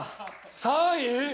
３位？